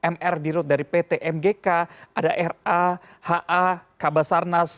mr dirut dari pt mgk ada ra ha kabasarnas